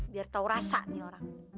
biar tahu rasa nih orang